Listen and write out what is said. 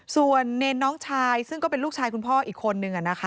ส่วนเนรน้องชายซึ่งก็เป็นลูกชายคุณพ่ออีกคนนึง